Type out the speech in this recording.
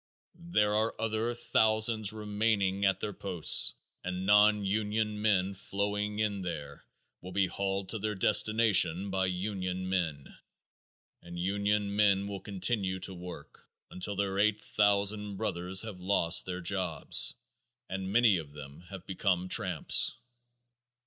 There are other thousands remaining at their posts and non union men flowing in there will be hauled to their destination by union men, and union men will continue to work until their eight thousand brothers have lost their jobs and many of them have become tramps.